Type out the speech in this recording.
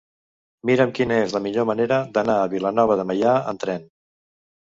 Mira'm quina és la millor manera d'anar a Vilanova de Meià amb tren.